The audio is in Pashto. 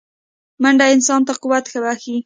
منډه انسان ته قوت بښي